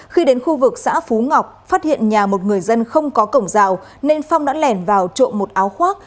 khi đến khu vực xã phú ngọc phát hiện nhà một người dân không có cổng rào nên phong đã lẻn vào trộm một áo khoác